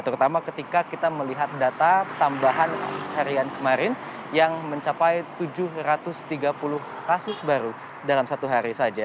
terutama ketika kita melihat data tambahan harian kemarin yang mencapai tujuh ratus tiga puluh kasus baru dalam satu hari saja